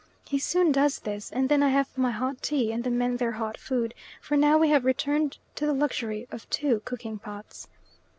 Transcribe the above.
He soon does this, and then I have my hot tea and the men their hot food, for now we have returned to the luxury of two cooking pots.